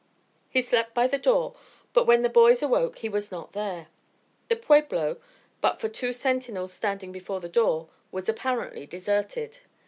He slept by the door, but when the boys awoke he was not there. The pueblo, but for two sentinels standing before the door, was apparently deserted.